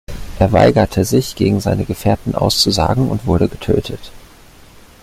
Er weigerte sich, gegen seine Gefährten auszusagen und wurde getötet.